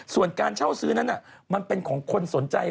ส่วนการเช่าซื้อนั้นมันเป็นของคนสนใจ